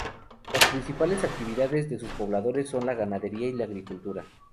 Las principales actividades de sus pobladores son la ganadería y la agricultura.